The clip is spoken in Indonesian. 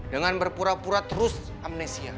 dengan berpura pura terus amnesia